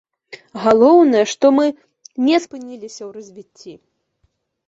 Галоўнае, што мы не спыніліся ў развіцці.